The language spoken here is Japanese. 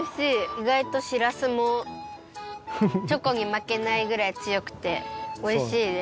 いがいとしらすもチョコにまけないぐらいつよくておいしいです。